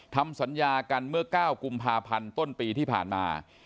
ทำสัญญากันเมื่อ๙กุมภาพันธ์ต้นปีที่ผ่านมา